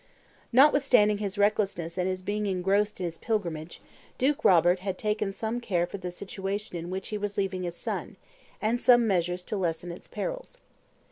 Notwithstanding his recklessness and his being engrossed in his pilgrimage, Duke Robert had taken some care for the situation in which he was leaving his son, and some measures to lessen its perils.